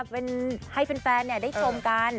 เป็นให้แฟนเนี่ยได้ชมกัน